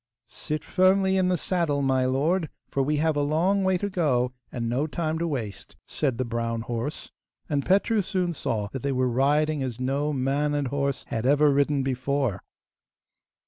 'Sit firmly in the saddle, my lord, for we have a long way to go and no time to waste,' said the brown horse, and Petru soon saw that they were riding as no man and horse had ever ridden before.